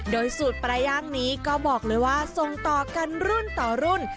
โดยสูตรปลาย่างนี้ก็บอกเลยว่าส่งต่อกันรุ่นต่อรุ่น